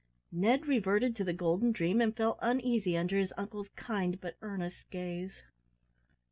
Ned reverted to the golden dream, and felt uneasy under his uncle's kind but earnest gaze.